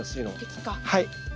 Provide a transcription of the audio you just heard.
はい。